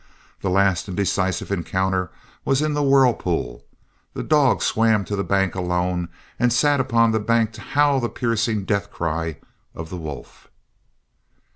The last and decisive encounter was in the whirlpool. The dog swam to the bank alone and sat upon the bank to howl the piercing death cry of the wolf.